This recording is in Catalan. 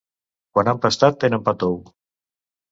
Quan han pastat tenen pa tou.